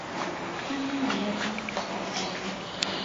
kanan allaapam pukutaykan.